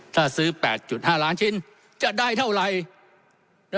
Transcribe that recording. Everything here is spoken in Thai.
ถ้าซื้อ๘๕ล้านชิ้นจะได้เท่าไหร่